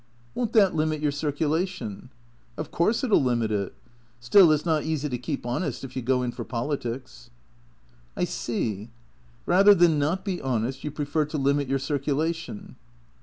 " Won't that limit your circulation ?"" Of course it '11 limit it. Still, it 's not easy to keep honest if you go in for politics." " I see. Eather than not be honest you prefer to limit your circulation